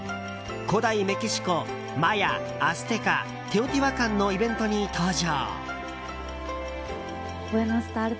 古代メキシコ‐マヤ、アステカ、テオティワカンのイベントに登場。